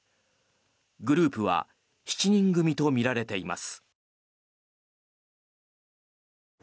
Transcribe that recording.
グループは７人組とみられています。